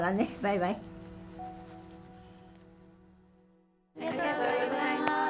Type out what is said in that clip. ありがとうございます。